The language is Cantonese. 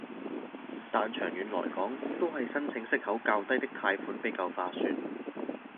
但長遠來講，都係申請息口較低的貸款比較划算